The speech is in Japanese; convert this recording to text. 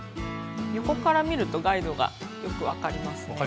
横から見るとガイドがよく分かりますね。